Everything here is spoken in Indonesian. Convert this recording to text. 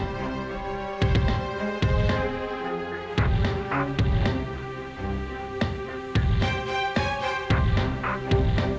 anywaysariamente percuma semua beri sahaya